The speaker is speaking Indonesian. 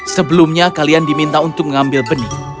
sebelumnya kalian diminta untuk mengambil benih